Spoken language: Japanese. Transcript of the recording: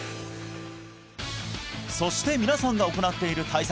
そして皆さんが行っている対策